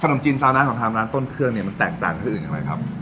นมจีนซานะของทางร้านต้นเครื่องเนี่ยมันแตกต่างที่อื่นอย่างไรครับ